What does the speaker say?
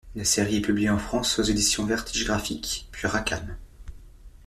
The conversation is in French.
La série est publiée en France aux éditions Vertige Graphic puis Rackham.